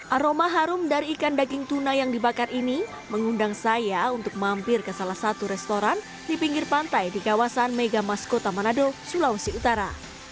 aroma harum dari ikan daging tuna yang dibakar ini mengundang saya untuk mampir ke salah satu restoran di pinggir pantai di kawasan megamas kota manado sulawesi utara